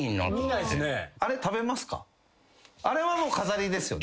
あれはもう飾りですよね？